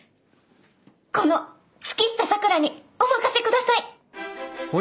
この月下咲良にお任せください！